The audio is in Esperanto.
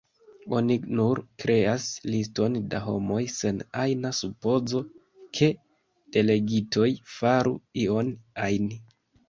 Oni nur kreas liston da homoj sen ajna supozo, ke delegitoj faru ion ajn.